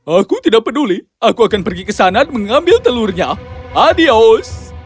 aku tidak peduli aku akan pergi ke sana mengambil telurnya adios